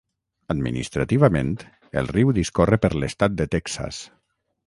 Administrativament, el riu discorre per l'estat de Texas.